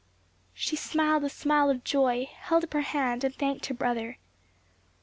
She smiled a smile of joy, held up her hand, and thanked her brother.